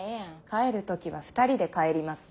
帰る時は２人で帰ります。